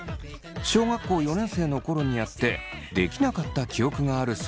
小学校４年生の頃にやってできなかった記憶があるそう。